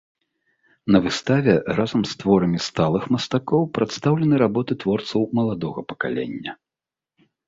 На выставе разам з творамі сталых мастакоў прадстаўлены работы творцаў маладога пакаленняў.